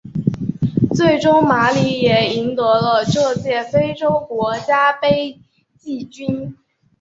最终马里也赢得了这届非洲国家杯季军。